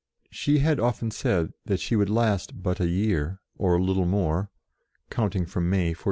She had often said that she would last but a year, or little more, count ing from May 1429.